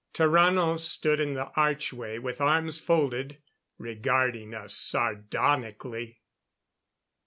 Tarrano stood in the archway, with arms folded, regarding us sardonically.